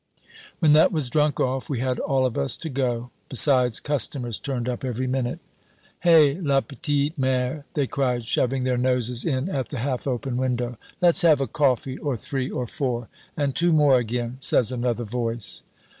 "When that was drunk off, we had all of us to go. Besides, customers turned up every minute. "'Hey, la p'tite mere,' they cried, shoving their noses in at the half open window, 'let's have a coffee or three or four' 'and two more again,' says another voice.